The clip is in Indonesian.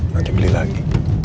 nanti beli lagi